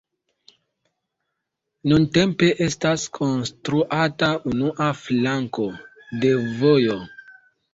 Nuntempe estas konstruata unua flanko de vojo.